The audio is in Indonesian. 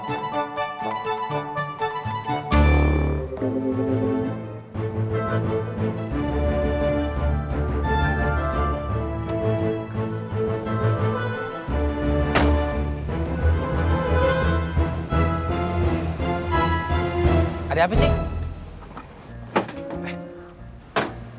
sampai jumpa di video selanjutnya